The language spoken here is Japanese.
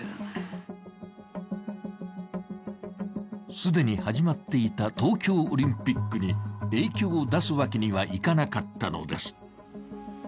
既に始まっていた東京オリンピックに影響を出すわけにはいかなかったのです。